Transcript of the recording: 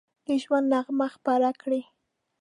د ژوند نغمه خپره کړي